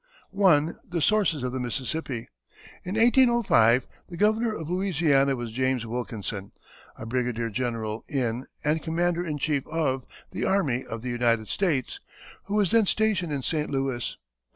I. THE SOURCES OF THE MISSISSIPPI. In 1805 the governor of Louisiana was James Wilkinson, a brigadier general in, and commander in chief of, the army of the United States, who was then stationed at St. Louis.